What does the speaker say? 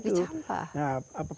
di champa itu